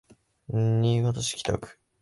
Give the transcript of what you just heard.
新潟市北区